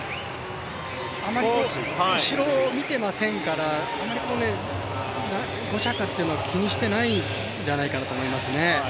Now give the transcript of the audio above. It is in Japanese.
あまり後ろを見ていませんから、５着というのを気にしていないんじゃないかと思いますね。